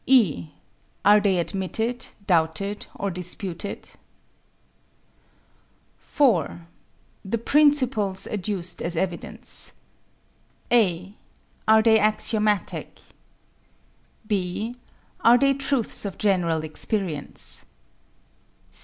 (e) Are they admitted, doubted, or disputed? 4. The principles adduced as evidence (a) Are they axiomatic? (b) Are they truths of general experience?